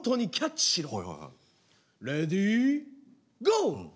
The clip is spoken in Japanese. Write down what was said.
レディーゴー！」。